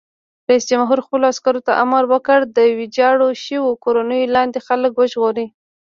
رئیس جمهور خپلو عسکرو ته امر وکړ؛ د ویجاړو شویو کورونو لاندې خلک وژغورئ!